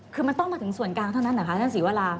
คือมันต้องมาถึงส่วนกลางเท่านั้นเหรอคะท่านศรีวรา